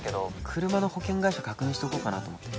車の保険会社確認しておこうかなと思って。